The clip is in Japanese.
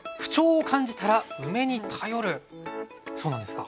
そうなんですか？